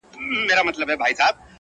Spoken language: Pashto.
د اوښکو تر ګرېوانه به مي خپله لیلا راسي!